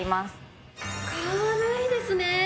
軽いですね！